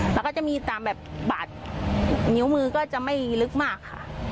แล้วก็จะมีตามแบบบาดนิ้วมือก็จะไม่ลึกมากค่ะ